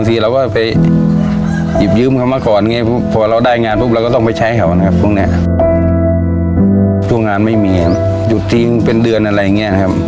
ส่วนพื้นโชคห้องเสียง